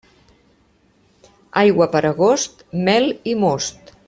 Aigua per agost, mel i most.